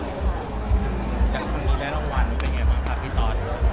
แต่ว่าทั้งทีแล้วรางวัลเป็นยังไงบ้างค่ะพี่ตอส